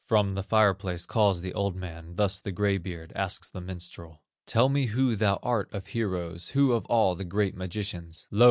From the fire place calls the old man, Thus the gray beard asks the minstrel: "Tell me who thou art of heroes, Who of all the great magicians? Lo!